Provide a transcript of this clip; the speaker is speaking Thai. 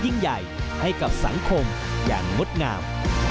ยิ่งใหญ่ให้กับสังคมอย่างงดงาม